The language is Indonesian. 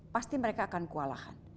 pasti mereka akan kewalahan